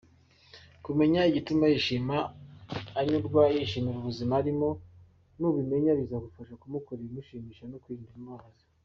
Kumenya igituma yishima, anyurwa, yishimira ubuzima arimo nubimenya bizagufasha kumukorera ibimushimisha no kwirinda ibimubabaza.